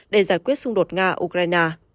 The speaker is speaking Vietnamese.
để giải quyết xung đột nga ukraine